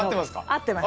合ってます。